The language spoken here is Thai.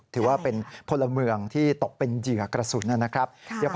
ถือว่าเป็นพลเมืองที่ตกเป็นเหยื่อกระสุนนะครับ